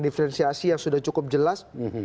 diferensiasi yang sudah cukup jelas